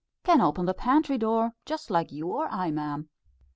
Can open the pantry door, just like you or I, ma'am."